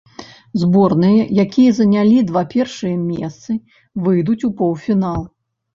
Зборныя, якія занялі два першыя месцы, выйдуць у паўфінал.